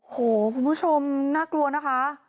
โอ้โหคุณผู้ชมน่ากลัวนะคะ